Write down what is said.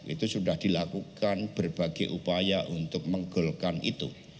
itu sudah dilakukan berbagai upaya untuk menggolkan itu